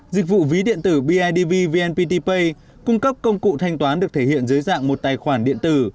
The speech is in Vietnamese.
dịch vụ ví điện tử bidv vnpt pay cung cấp công cụ thanh toán được thể hiện dưới dạng một tài khoản điện tử